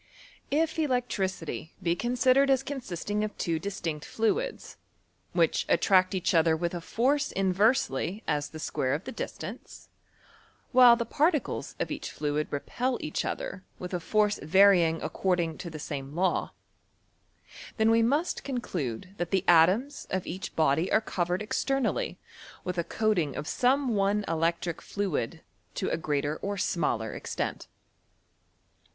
If dectricity be considered as consisting of two distinct fluids, which attract each other with a force OF ELZCTRO CHEMISTRT. 263 inTersdy, as the square of the distance, while the particles of each fluid repel each other with a force yarying according to the same law, then we must conclude that the atoms of each body are covered externally unth a coating of some one electric fluid to a greater or smaller extent.